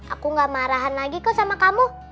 aku gak marahan lagi kok sama kamu